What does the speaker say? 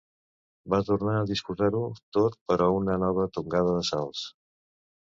Van tornar a disposar-ho tot per a una nova tongada de salts.